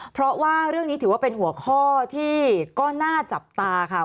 เพราะว่าเรื่องนี้ถือว่าเป็นหัวข้อที่ก็น่าจับตาค่ะ